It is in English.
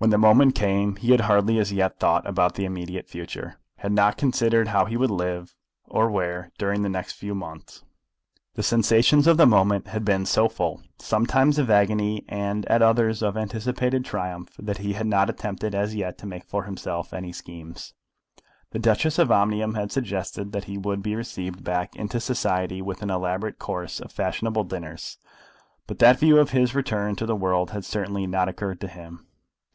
When the moment came he had hardly as yet thought about the immediate future, had not considered how he would live, or where, during the next few months. The sensations of the moment had been so full, sometimes of agony and at others of anticipated triumph, that he had not attempted as yet to make for himself any schemes. The Duchess of Omnium had suggested that he would be received back into society with an elaborate course of fashionable dinners; but that view of his return to the world had certainly not occurred to him.